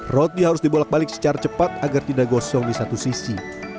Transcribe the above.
roti harus dibolak balik secara cepat agar tidak gosong di satu sisi